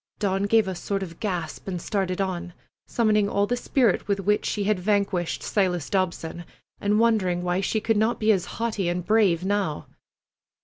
Dawn gave a sort of gasp and started on, summoning all the spirit with which she had vanquished Silas Dobson, and wondering why she could not be as haughty and as brave now.